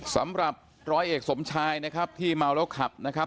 สำหรับร้อยเอกสมชายนะครับที่เมาแล้วขับนะครับ